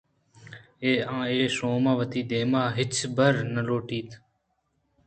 آ اے شومّاں وتی دیمءَ ہچبر نہ لوٹیت